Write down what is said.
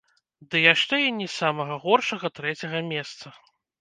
Ды яшчэ і не з самага горшага трэцяга месца.